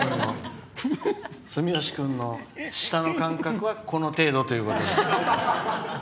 住吉君の舌の感覚はこの程度ということで。